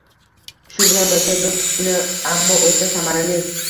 Shu bilan birga, biz kichkina, ammo o‘ta samarali